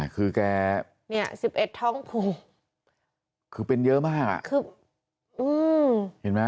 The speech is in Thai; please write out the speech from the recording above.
คือเป็นเยอะมากอ่ะ